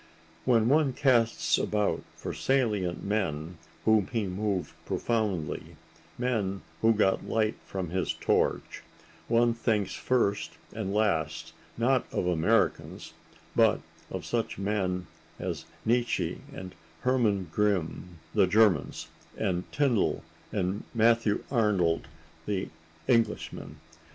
When one casts about for salient men whom he moved profoundly, men who got light from his torch, one thinks first and last, not of Americans, but of such men as Nietzsche and Hermann Grimm, the Germans, and Tyndall and Matthew Arnold, the Englishmen.